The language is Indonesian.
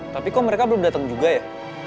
tapi kok mereka belum datang juga ya